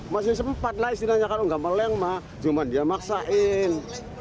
masih sempat lah disini hanya kalau nggak meleng cuma dia maksain